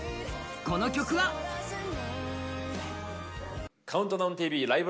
この曲は「ＣＤＴＶライブ！